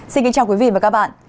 xin kính chào quý vị và các bạn